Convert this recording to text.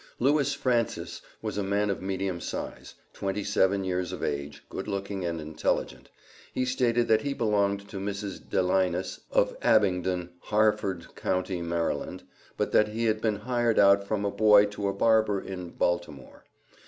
Lewis Francis was a man of medium size, twenty seven years of age, good looking and intelligent. He stated that he belonged to Mrs. Delinas, of Abingdon, Harford Co., Md., but that he had been hired out from a boy to a barber in Baltimore.